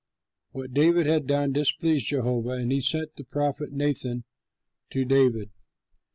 What David had done displeased Jehovah and he sent the prophet Nathan to David.